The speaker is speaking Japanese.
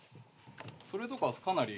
それとかはかなり。